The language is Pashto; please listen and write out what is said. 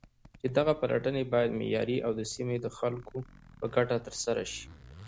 چې دغه پلټنې بايد معياري او د سيمې د خلكو په گټه ترسره شي.